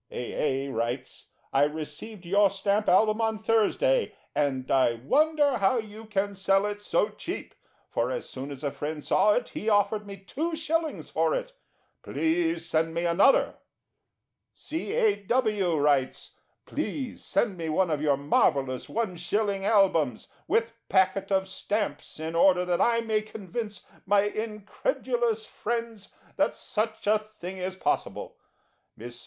A. A. writes: "I received your Stamp Album on Thursday, and I wonder how you can sell it so cheap; for as soon as a friend saw it he offered me 2/ for it. Please send me another." C. A. W. writes: "Please send me one of your marvellous 1/ Albums, with packet of stamps, in order that I may convince my incredulous friends that such a thing is possible." Miss M.